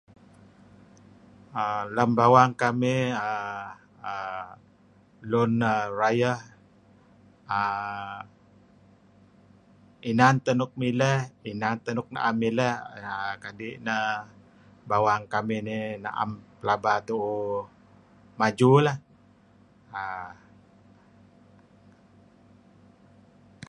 err lem bawang kamih err lun rayeh[err] inan teh nuk mileh, inan teh nuk na'em mileh, kadi' neh bawang kamih nih na'em tu'uh maju lah.